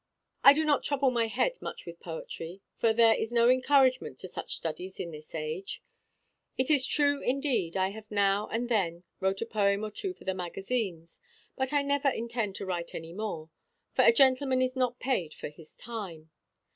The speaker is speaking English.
I do not trouble my head much with poetry; for there is no encouragement to such studies in this age. It is true, indeed, I have now and then wrote a poem or two for the magazines, but I never intend to write any more; for a gentleman is not paid for his time.